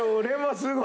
すごい。